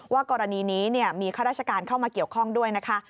กรณีนี้มีข้าราชการเข้ามาเกี่ยวข้องด้วยนะคะ